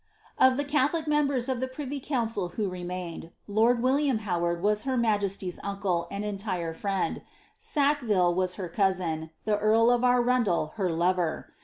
Of the Catholic members of the privy council who remained, lord iVjlliam Howard was her roajenty's uncle and entire friend, Sackville »as her cousin, the earl of Arundel her lover.